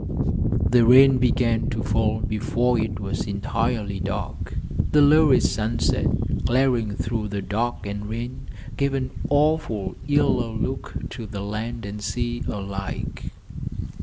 The rain began to fall before it was entirely dark. The lurid sunset, glaring through the dark and rain, gave an awful, yellow look to the land and sea alike.